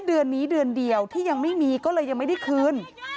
เดือนเดียวที่ยังไม่มีก็เลยไม่ได้คืน